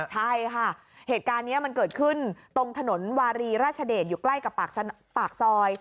ใช่ค่ะเหตุการณ์นี้มันเกิดขึ้นตรงถนนวารีราชเดชอยู่ใกล้กับปากซอย